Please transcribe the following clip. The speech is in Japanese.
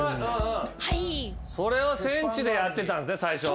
それを戦地でやってた最初は。